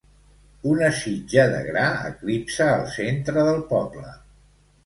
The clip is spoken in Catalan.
Una sitja de gra eclipsa el centre del poble.